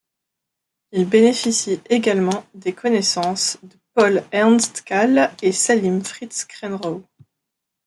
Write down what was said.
Il bénéficie également des connaissances de Paul Ernst Kahle et Salim Fritz Krenkow.